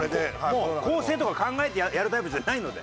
もう構成とか考えてやるタイプじゃないので。